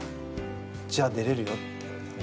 じゃあ出れるよって言われて。